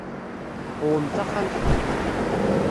Qwem taxxamt-nni.